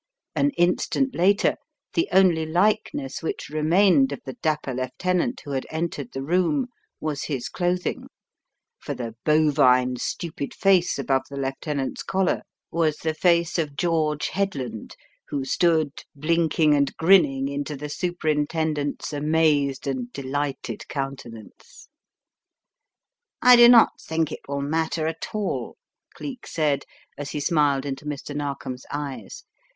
An instant later the only likeness which remained of the dapper Lieutenant who had entered the room was his clothing, for the bovine, stupid face above the Lieutenant's collar was the face of George 58 The Riddle of the Purple Emperor Headland who stood blinking and grinning into the Superintendent's amazed and delighted countenance. "I do not think it will matter at all/' Cleek said as he smiled into Mr. Narkom's eyes.